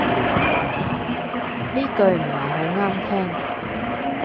呢句唔係好啱聽